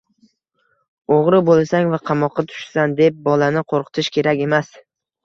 O‘g‘ri bo‘lasang va qamoqqa tushasan, deb bolani ko‘rqitish kerak emas.